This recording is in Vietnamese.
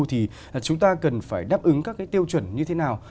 thì chúng ta cần phải đáp ứng các cái tiêu chuẩn như thế nào